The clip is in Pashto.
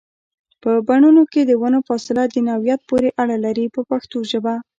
په بڼونو کې د ونو فاصله د نوعیت پورې اړه لري په پښتو ژبه.